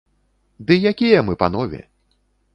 Ды якія мы панове!